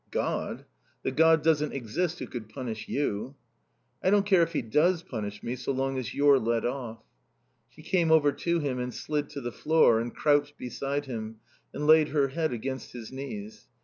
"God? The God doesn't exist who could punish you." "I don't care if he does punish me so long as you're let off." She came over to him and slid to the floor and crouched beside him and laid her head against his knees.